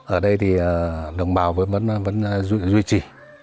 ở đây thì đồng bào vẫn vẫn duy trì